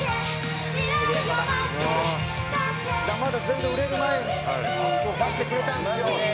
「まだ全然売れる前に出してくれたんですよ」